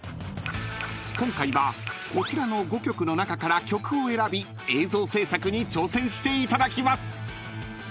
［今回はこちらの５曲の中から曲を選び映像制作に挑戦していただきます］